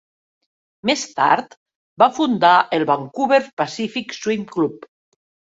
Més tard va fundar el Vancouver Pacific Swim Club.